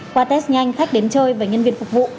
qua test nhanh khách đến chơi và nhân viên phục vụ